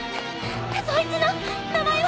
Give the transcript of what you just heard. そいつの名前は。